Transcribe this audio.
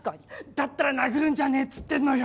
だったら殴るんじゃねえっつってんのよ。